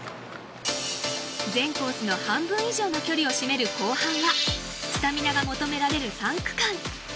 全コースの半分以上の距離を占める後半はスタミナが求められる３区間。